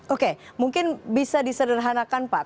oke mungkin bisa disederhanakan pak